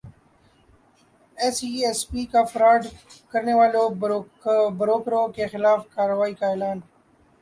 S E C P کا fraud کرنیوالے بروکروں کیخلاف کارروائی کا اعلان